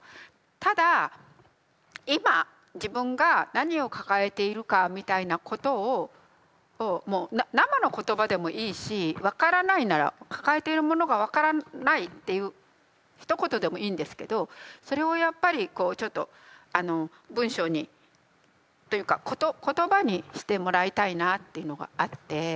ただ今自分が何を抱えているかみたいなことをもう生の言葉でもいいし分からないなら「抱えているものが分からない」っていうひと言でもいいんですけどそれをやっぱりこうちょっと文章にというか言葉にしてもらいたいなあっていうのがあって。